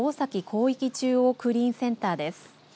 広域中央クリーンセンターです。